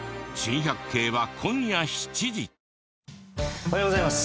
おはようございます。